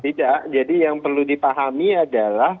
tidak jadi yang perlu dipahami adalah